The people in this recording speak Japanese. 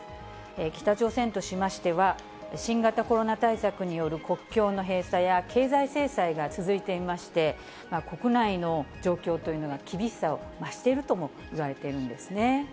北朝鮮としましては、新型コロナ対策による国境の閉鎖や経済制裁が続いていまして、国内の状況というのが厳しさを増しているともいわれているんですね。